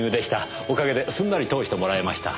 おかげですんなり通してもらえました。